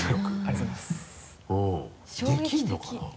できるのかな？